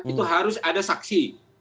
itu harus ada saksi